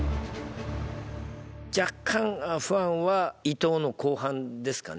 若干、不安は、伊藤の後半ですかね。